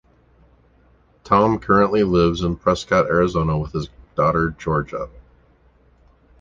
Tom currently lives in Prescott Arizona with his daughter, Georgia.